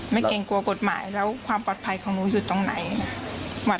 เกรงกลัวกฎหมายแล้วความปลอดภัยของหนูอยู่ตรงไหน